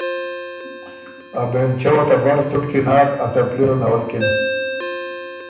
ا بېنلچۀ وه ته بر څُټکی ناک، ا څپلی ره نَوَلکِن